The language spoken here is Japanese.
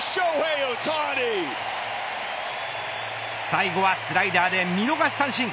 最後はスライダーで見逃し三振。